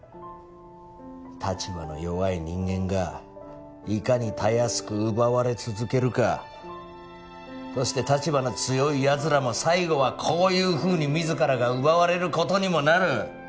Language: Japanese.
立場の弱い人間がいかにたやすく奪われ続けるかそして立場の強い奴らも最後はこういうふうに自らが奪われることにもなる